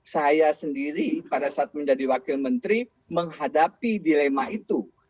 saya sendiri pada saat menjadi wakil menteri menghadapi dilema itu